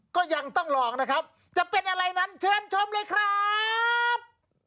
ก็ยังต้องลองนะครับจะเป็นอะไรนั้นเชิญชมเลยครับ